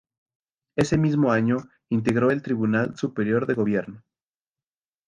Ese mismo año, integró el Tribunal Superior de Gobierno.